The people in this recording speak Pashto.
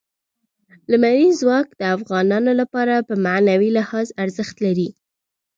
لمریز ځواک د افغانانو لپاره په معنوي لحاظ ارزښت لري.